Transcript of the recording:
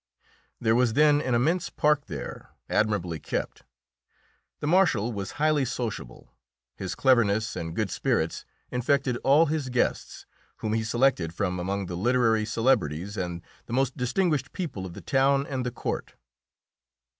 There was then an immense park there, admirably kept. The Marshal was highly sociable; his cleverness and good spirits infected all his guests, whom he selected from among the literary celebrities and the most distinguished people of the town and the court.